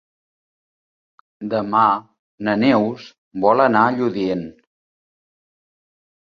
Demà na Neus vol anar a Lludient.